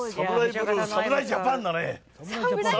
ブルー、侍ジャパンだね。